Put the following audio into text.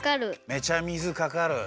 めちゃ水かかる。